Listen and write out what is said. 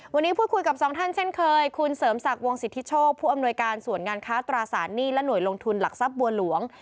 วันนี้พูดคุยกับสองท่านเช่นเคยคุณเสริมศักดิ์วงสิทธิโชคผู้อำนวยการส่วนงานค้าตราสารหนี้และหน่วยลงทุนหลักทรัพย์บัวหลวง